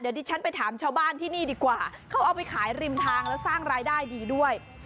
เดี๋ยวดิฉันไปถามชาวบ้านที่นี่ดีกว่าเขาเอาไปขายริมทางแล้วสร้างรายได้ดีด้วย